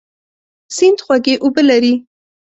سیند خوږ اوبه لري.